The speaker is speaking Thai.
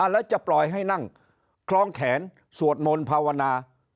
แล้วจะปล่อยให้นั่งคล้องแขนสวดมนต์ภาวนา